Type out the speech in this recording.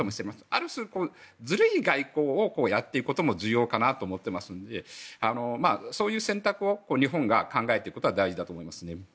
ある種、ずるい外交をやっていくことも重要かなと思っていますのでそういう選択を日本が考えていくことは大事だと思います。